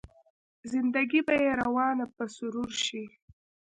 زنده ګي به يې روانه په سرور شي